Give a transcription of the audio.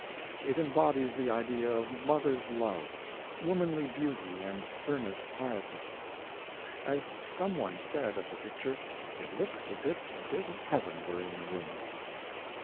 It embodies the ideas of mother's love, womanly beauty and earnest piety. As some one said of the picture, ^' it looks as if a bit of heaven were in the room."